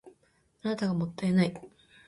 あなたがもったいない